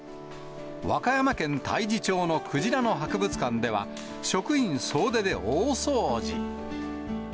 和歌山県太地町のくじらの博物館では、職員総出で大掃除。